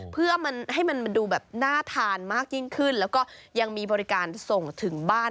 เพื่อมันให้มันดูแบบน่าทานมากยิ่งขึ้นแล้วก็ยังมีบริการส่งถึงบ้าน